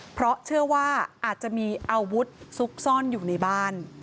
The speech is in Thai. เพราะเชื่อว่าอาจจะมีอาวุธซุกซ่อนอยู่ในบ้าน